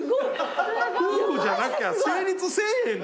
夫婦じゃなきゃ成立せぇへんですよ。